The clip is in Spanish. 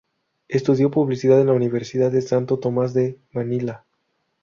Estudió Publicidad en la Universidad de Santo Tomás de Manila.